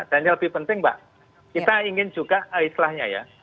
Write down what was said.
dan yang lebih penting mbak kita ingin juga islahnya ya